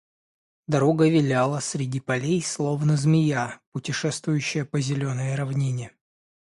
Дорога виляла среди полей, словно змея, путешествующая по зеленой равнине.